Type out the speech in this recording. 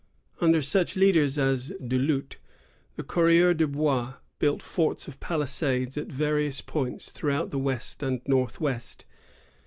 Under such leaders as Du Lhut, the coureurs de bois built forts of palisades at various points through out the West and Northwest.